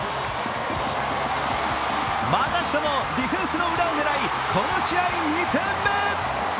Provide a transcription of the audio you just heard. またしてもディフェンスの裏を狙い、この試合２点目。